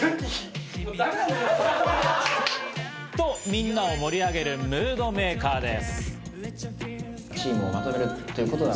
みんなを盛り上げるムードメーカーです。